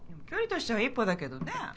距離としては一歩だけどね。